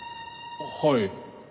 はい。